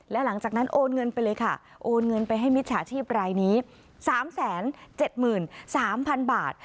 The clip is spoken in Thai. และหลังจากนั้นโอนเงินไปเลยค่ะโอนเงินไปให้มิจฉาชีพรายนี้สามแสนเจ็ดหมื่นสามพันบาท